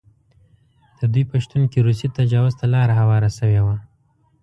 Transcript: د دوی په شتون کې روسي تجاوز ته لاره هواره شوې وه.